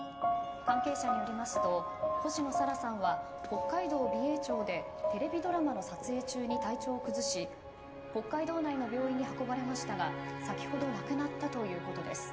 関係者によりますと星野沙羅さんは北海道美瑛町でテレビドラマの撮影中に体調を崩し北海道内の病院に運ばれましたが先ほど亡くなったということです。